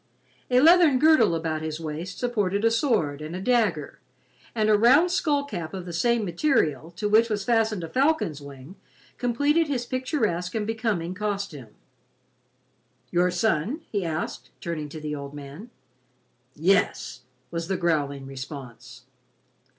A leathern girdle about his waist supported a sword and a dagger and a round skull cap of the same material, to which was fastened a falcon's wing, completed his picturesque and becoming costume. "Your son?" he asked, turning to the old man. "Yes," was the growling response.